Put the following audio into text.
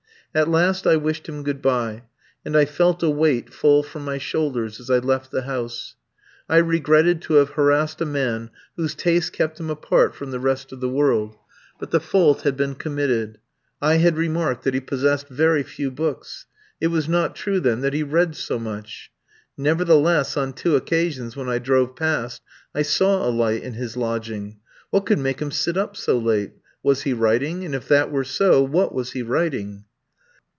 At last I wished him good bye, and I felt a weight fall from my shoulders as I left the house. I regretted to have harassed a man whose tastes kept him apart from the rest of the world. But the fault had been committed. I had remarked that he possessed very few books. It was not true, then, that he read so much. Nevertheless, on two occasions when I drove past, I saw a light in his lodging. What could make him sit up so late? Was he writing, and if that were so, what was he writing?